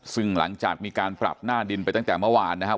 ซึ่งหลังจากมีการปรับหน้าดินไปตั้งแต่เมื่อวานนะครับ